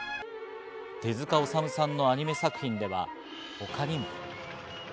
手塚治虫さんのアニメ作品では他にも。